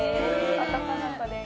男の子です。